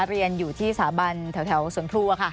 เรียนอยู่ที่สถาบันแถวสวนครัวค่ะ